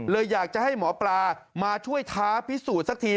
อยากจะให้หมอปลามาช่วยท้าพิสูจน์สักที